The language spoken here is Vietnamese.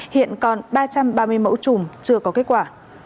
hiện còn ba trăm ba mươi mẫu chùm chưa có kết quả